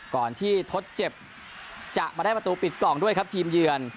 ก่อนที่ทดเจ็บจะมาได้ประตูปิดกล่องด้วยครับทีมเยือน